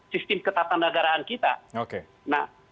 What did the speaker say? sistem ketatanagaran kita